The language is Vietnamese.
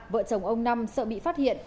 vợ chồng ông năm sợ bị phát hiện